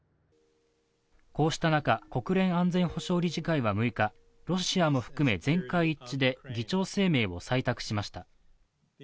こうした中、国連安全保障理事会は６日、ロシアも含め全会一致で議長声明を採択しました。